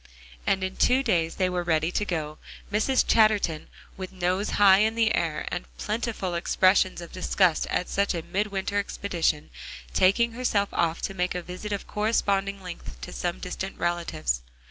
And in two days they were ready to go. Mrs. Chatterton with nose high in the air, and plentiful expressions of disgust at such a mid winter expedition, taking herself off to make a visit of corresponding length to some distant relatives.